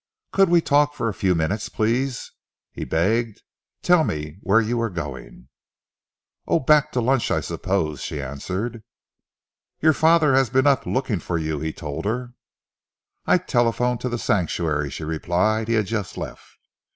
"Could we talk for a few minutes, please?" he begged. "Tell me where you were going?" "Oh, back to lunch, I suppose," she answered. "Your father has been up, looking for you," he told her. "I telephoned to The Sanctuary," she replied. "He had just left."